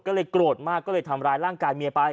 ก็เลยโกรธมากก็เลยทำร้ายร่างกายเมียไป